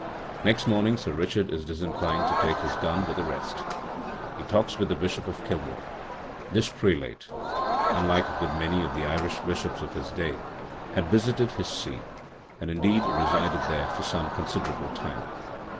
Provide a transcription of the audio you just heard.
Next morning Sir Richard is disinclined to take his gun, with the rest. He talks with the Bishop of Kilmore. This prelate, unlike a good many of the Irish Bishops of his day, had visited his see, and, indeed, resided there for some considerable time.